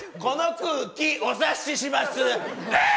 この空気、お察しします。